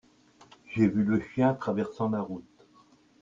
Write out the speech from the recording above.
j'ai vu le chien traversant la route.